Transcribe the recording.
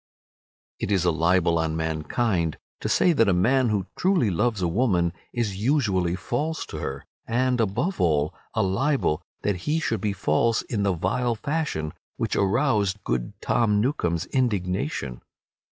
It is a libel on mankind to say that a man who truly loves a woman is usually false to her, and, above all, a libel that he should be false in the vile fashion which aroused good Tom Newcome's indignation.